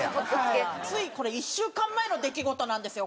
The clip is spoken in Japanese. つい１週間前の出来事なんですよ